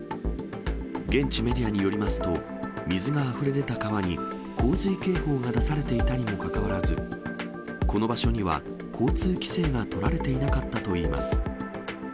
現地メディアによりますと、水があふれ出た川に洪水警報が出されていたにもかかわらず、この場所には交通規制が取られていなかったといいます。